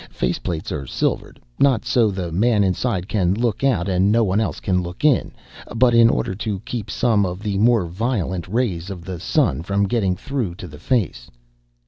Faceplates are silvered, not so the man inside can look out and no one else can look in, but in order to keep some of the more violent rays of the sun from getting through to the face.